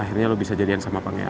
akhirnya lo bisa jadian sama pangeran